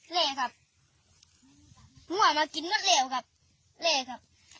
เละครับง่วงมากินก็เลี่ยวครับเละครับ